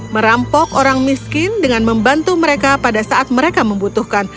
merampok orang miskin dengan membantu mereka pada saat mereka membutuhkan